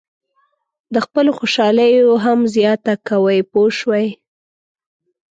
د خپلو خوشالیو هم زیاته کوئ پوه شوې!.